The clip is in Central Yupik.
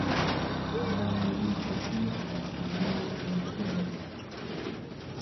maani uitaciqua pingayuni ernerni